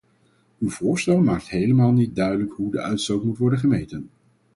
Uw voorstel maakt helemaal niet duidelijk hoe de uitstoot moet worden gemeten.